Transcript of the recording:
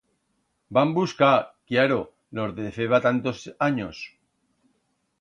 Vam buscar, cllaro, los de feba tantos anyos.